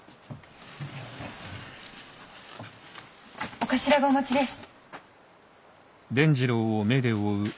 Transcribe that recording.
お頭がお待ちです。